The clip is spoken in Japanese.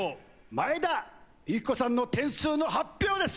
前田由起子さんの点数の発表です！